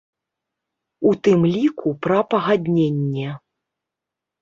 У тым ліку пра пагадненне.